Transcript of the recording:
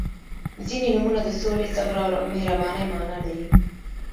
• ځینې نومونه د سولې، صبر او مهربانۍ معنا لري.